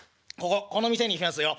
この店にしますよ。